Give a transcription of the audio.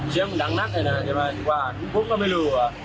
เสียงมันดังหนักน่ะนะติว่าพวกเขาไม่รู้อะ